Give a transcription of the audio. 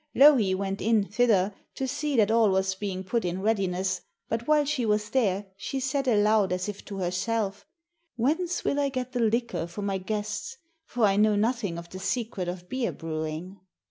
Louhi went in thither, to see that all was being put in readiness, but while she was there she said aloud as if to herself: 'Whence will I get the liquor for my guests, for I know nothing of the secret of beer brewing?'